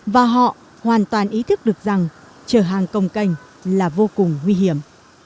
và họ hoàn toàn ý thức được rằng chở hàng công canh là vô cùng nguy hiểm